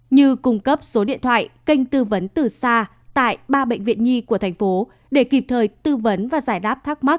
như cung cấp số điện thoại kênh tư vấn từ xa tại ba bệnh viện nhi của thành phố để kịp thời tư vấn và giải đáp thắc mắc